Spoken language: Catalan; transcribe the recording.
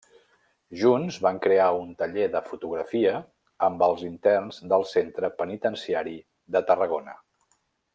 Junts van crear un taller de fotografia amb els interns del Centre Penitenciari de Tarragona.